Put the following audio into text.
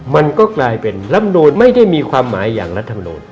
มันก็กลายเป็นลำนูนไม่ได้มีความหมายอย่างรัฐมนูล